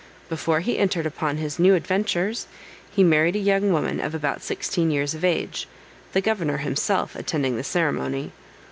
Before he entered upon his new adventures, he married a young woman of about sixteen years of age, the governor himself attending the ceremony.